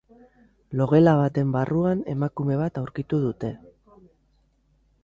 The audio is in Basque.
Logela baten barruan emakume bat aurkitu dute.